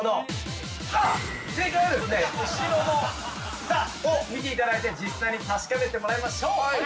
◆さあ正解はですね、後ろのふた、見ていただいて、実際に確かめてもらいましょう。